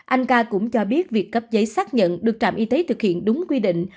anh ca cũng cho biết việc cấp giấy xác nhận được trạm y tế thực hiện đúng quy định